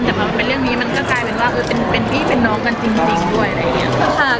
แต่เรื่องนี้ก็กลายเป็นที่ไม่ใช่พี่เป็นความจริงโดยมีน้อง